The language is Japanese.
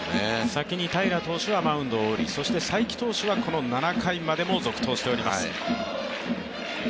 先に平良投手はマウンドを降り、この才木投手は７回までも続投しております。